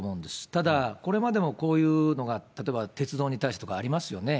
ただ、これまでもこういうのが、例えば鉄道に対してとかありますよね。